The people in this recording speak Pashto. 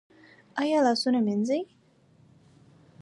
ایا لاسونه مینځي؟